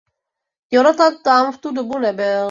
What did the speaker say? Jonathan tam v tu dobu nebyl.